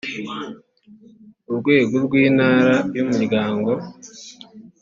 urwego rw intara y umuryango